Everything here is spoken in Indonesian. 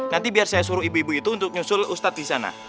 nanti biar saya suruh ibu ibu itu untuk nyusul ustadz di sana